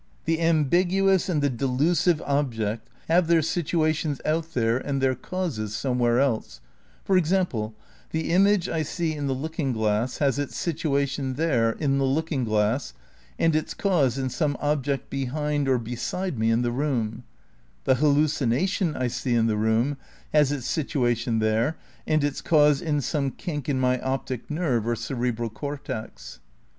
The ambiguous and the delusive object have their situations out there and their causes somewhere else: for example, the image I see in the looking glass has its situation there, in the looking glass and its cause in some object behind or beside me in the room ; the hallucination I see in the room has its situation there and its cause in some kink in my optic nerve or cerebral cortex.